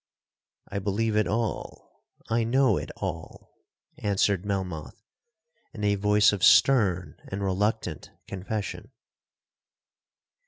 1 'I believe it all—I know it all,' answered Melmoth, in a voice of stern and reluctant confession.